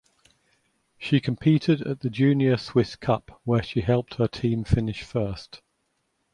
She competed at the junior Swiss Cup where she helped her team finish first.